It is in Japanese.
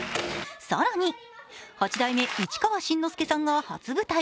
更に、八代目市川新之助さんが初舞台。